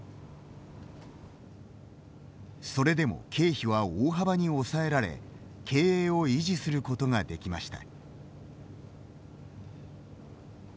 それでも経費は大幅に抑えられ経営を維持することができました。